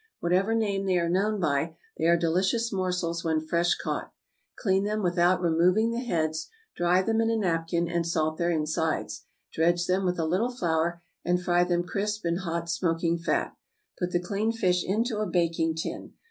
Whatever name they are known by, they are delicious morsels when fresh caught. Clean them without removing the heads, dry them in a napkin, and salt their insides, dredge them with a little flour, and fry them crisp in hot smoking fat. Put the clean fish into a baking tin.